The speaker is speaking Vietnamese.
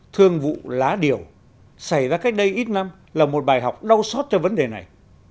thương vụ lá điểu xảy ra cách đây ít năm là một bài học đau sót cho vấn đề này